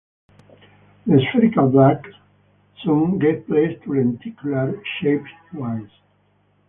The spherical blanks soon gave place to lenticular-shaped ones.